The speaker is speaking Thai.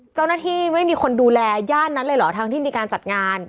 เจ้าหน้าที่ไม่มีคนดูแลย่านนั้นเลยเหรอทางที่มีการจัดงาน